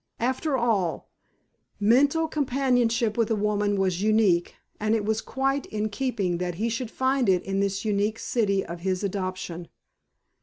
After all, mental companionship with a woman was unique, and it was quite in keeping that he should find it in this unique city of his adoption.